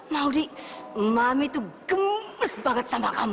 maudie mami tuh gemes banget sama kamu